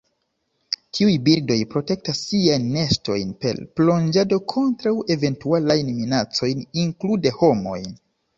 Tiuj birdoj protektas siajn nestojn per plonĝado kontraŭ eventualajn minacojn, inklude homojn.